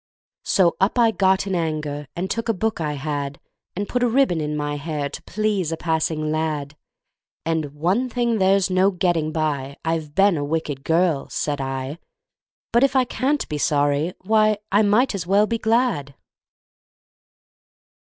So up I got in anger, And took a book I had, And put a ribbon in my hair To please a passing lad. And, "One thing there's no getting by I've been a wicked girl," said I; "But if I can't be sorry, why, I might as well be glad!"